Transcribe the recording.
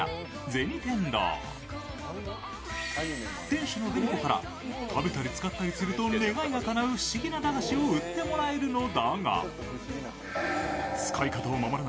店主の紅子から食べたり使ったりすると願いがかなう不思議な駄菓子を売ってもらえるのだがさあ、こちら。